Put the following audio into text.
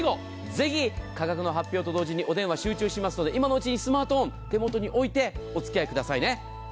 ぜひ、価格の発表と同時にお電話集中しますので今のうちにスマートフォン、手元に置いてお付き合いくださいね。